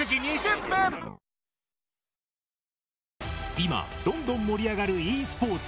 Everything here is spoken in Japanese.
今どんどん盛り上がるｅスポーツ。